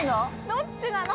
どっちなの？